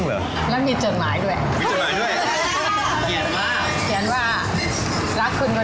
ซ่อนไว้ที่ไหนคะม้า